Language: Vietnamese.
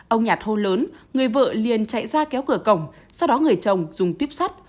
ông nhạt khô lớn người vợ liền chạy ra kéo cửa cổng sau đó người chồng dùng tuyếp sắt